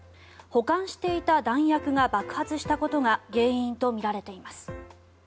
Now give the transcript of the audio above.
保管していた弾薬が爆発したことが原因とみられています。